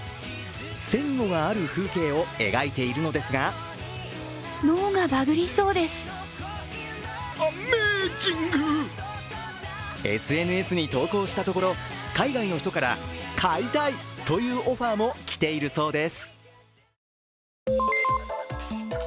線路がある風景を描いているのですがＳＮＳに投稿したところ、海外の人から買いたいというオファーも来ているそうです。